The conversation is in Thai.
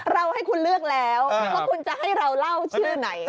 เราให้คุณเลือกแล้วว่าคุณจะให้เราเล่าชื่อไหน